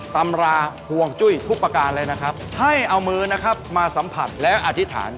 ตำราห่วงจุ้ยทุกประการเลยนะครับให้เอามือนะครับมาสัมผัสและอธิษฐาน